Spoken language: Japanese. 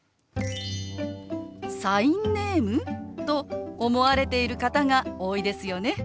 「サインネーム？」と思われている方が多いですよね。